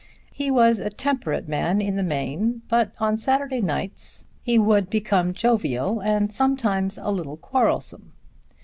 He was a temperate man in the main; but on Saturday nights he would become jovial, and sometimes a little quarrelsome.